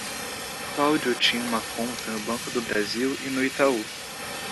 Cláudio tinha uma conta no Banco do Brasil e no Itaú.